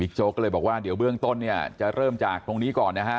บิ๊กโจ๊กเลยบอกว่าเบื้องต้นจะเริ่มจากตรงนี้ก่อน